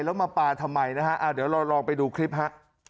แล้วมาปลาทำไมนะฮะเดี๋ยวเราลองไปดูคลิปฮะ